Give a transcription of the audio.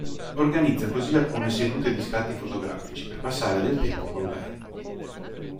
Organizza così alcune sedute di scatti fotografici per passare del tempo con lei.